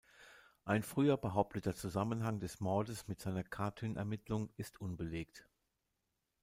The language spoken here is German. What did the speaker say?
Ein früher behaupteter Zusammenhang des Mordes mit seiner Katyn-Ermittlung ist unbelegt.